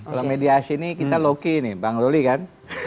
kalau mediasi ini kita loki nih bang loli kan